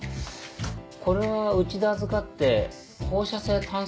これはうちで預かって放射性炭素。